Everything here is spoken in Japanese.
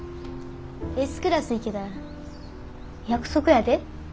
Ｓクラスいけたら約束やで。